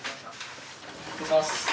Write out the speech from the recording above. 失礼します